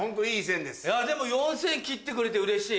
でも４０００万円切ってくれてうれしい。